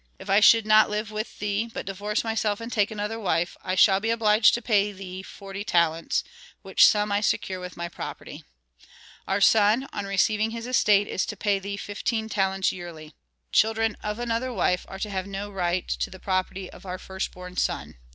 If I should not live with thee, but divorce myself and take another wife, I shall be obliged to pay thee forty talents, which sum I secure with my property. Our son, on receiving his estate, is to pay thee fifteen talents yearly. Children of another wife are to have no right to the property of our first born son."